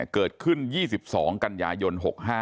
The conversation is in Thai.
เกิดขึ้น๒๒กันยายน๖๕